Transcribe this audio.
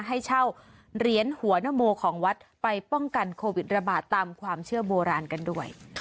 ให้เช่าเหรียญหัวนโมของวัดไปป้องกันโควิดระบาดตามความเชื่อโบราณกันด้วย